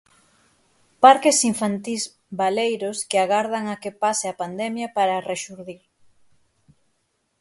Parques infantís baleiros que agardan a que pase a pandemia para rexurdir.